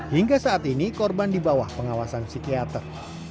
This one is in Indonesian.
hingga saat ini korban di bawah pengawasan psikiater